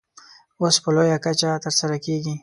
اوس په لا لویه کچه ترسره کېږي.